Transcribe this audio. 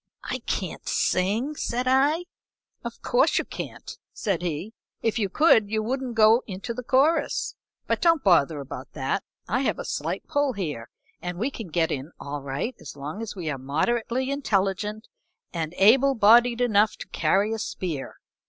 "I can't sing," said I. "Of course you can't," said he. "If you could you wouldn't go into the chorus. But don't bother about that, I have a slight pull here and we can get in all right as long as we are moderately intelligent, and able bodied enough to carry a spear.